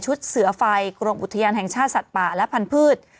เสือไฟกรมอุทยานแห่งชาติสัตว์ป่าและพันธุ์